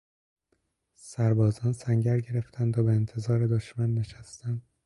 سربازان سنگر گرفتند و به انتظار دشمن نشستند.